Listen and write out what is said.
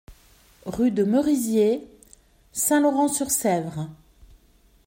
Rue de Merisier, Saint-Laurent-sur-Sèvre